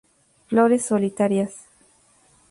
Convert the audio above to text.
Flores solitarias.